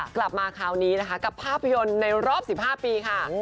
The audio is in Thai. กลับมาคราวนี้แกลับภาพยนตร์ในรอบ๑๕ปี